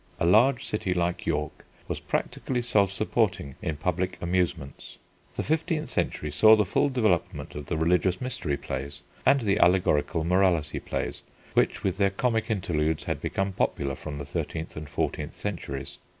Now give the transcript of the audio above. A large city like York was practically self supporting in public amusements. The fifteenth century saw the full development of the religious mystery plays, and the allegorical morality plays, which with their comic interludes had become popular from the thirteenth and fourteenth centuries.